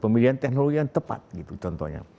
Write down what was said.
pemilihan teknologi yang tepat gitu contohnya